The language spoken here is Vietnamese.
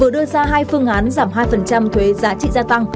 đưa ra hai phương án giảm hai thuế giá trị gia tăng